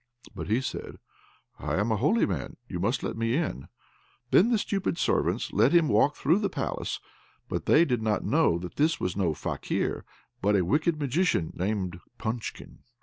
But he said, "I am a holy man, you must let me in." Then the stupid servants let him walk through the palace, but they did not know that this was no Fakir, but a wicked Magician named Punchkin.